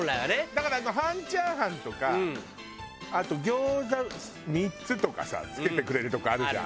だから今半炒飯とかあと餃子３つとかさ付けてくれるとこあるじゃん。